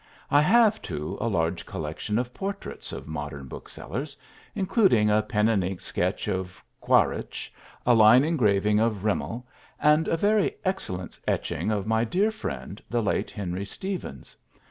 I have, too, a large collection of portraits of modern booksellers, including a pen and ink sketch of Quaritch, a line engraving of Rimell, and a very excellent etching of my dear friend, the late Henry Stevens.